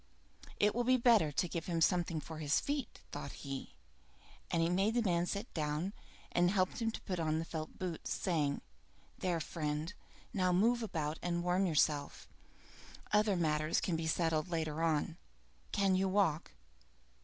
"It will be better to give him something for his feet," thought he; and he made the man sit down, and helped him to put on the felt boots, saying, "There, friend, now move about and warm yourself. Other matters can be settled later on. Can you walk?"